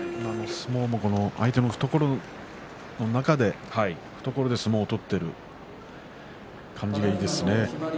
相撲も相手の懐の中で、懐で相撲を取っている感じがいいですね。